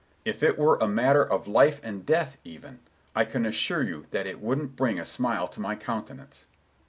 If it were a matter of life and death, even, I can assure you that it wouldn't bring a smile to my countenance.